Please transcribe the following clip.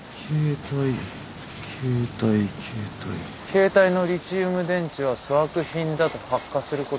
携帯のリチウム電池は粗悪品だと発火することがある。